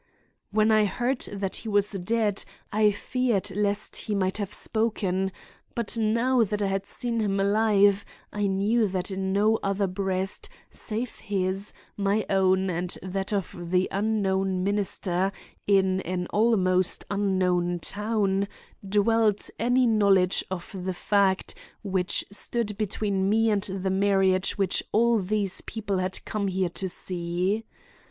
When I heard that he was dead I feared lest he might have spoken, but now that I had seen him alive, I knew that in no other breast, save his, my own and that of the unknown minister in an almost unknown town, dwelt any knowledge of the fact which stood between me and the marriage which all these people had come here to see.